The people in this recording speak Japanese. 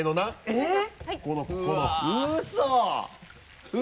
えっ？